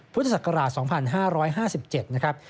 พุทธศักราช๒๕๕๗นะครับ